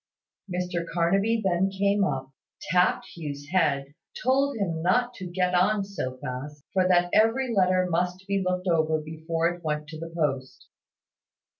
Mr Carnaby then came up, tapped Hugh's head, told him not to get on so fast, for that every letter must be looked over before it went to the post.